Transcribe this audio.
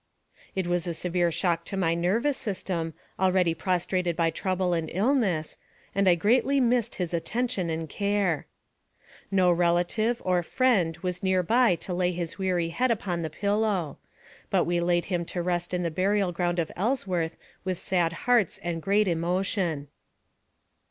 It was a severe shock to my nervous system, already prostrated by trouble and illness, and I greatly missed his attention and care. No relative, or friend, was near to lay his weary AMONG THE SIOUX INDIANS. 237 head upon the pillow; but we laid him to rest in the burial ground of Ellsworth with sad hearts and great emotion.